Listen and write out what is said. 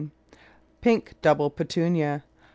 9. Pink Double Petunia.